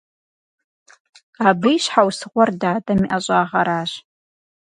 Абы и щхьэусыгъуэр дадэм и ӀэщӀагъэращ.